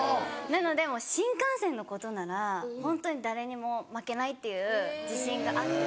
なのでもう新幹線のことならホントに誰にも負けないっていう自信があって。